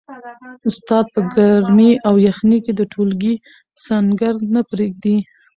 استاد په ګرمۍ او یخنۍ کي د ټولګي سنګر نه پریږدي.